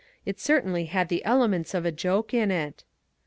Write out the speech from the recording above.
It certainly had the elements of a joke in it.